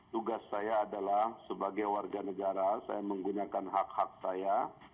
tugas saya adalah sebagai warga negara saya menggunakan hak hak saya